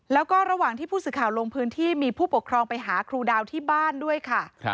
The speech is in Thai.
แล้วก็ระหว่างที่ผู้สื่อข่าวลงพื้นที่มีผู้ปกครองไปหาครูดาวที่บ้านด้วยค่ะ